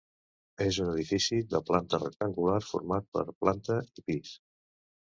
És un edifici de planta rectangular, format per planta i pis.